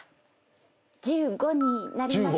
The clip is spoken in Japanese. １５になりました。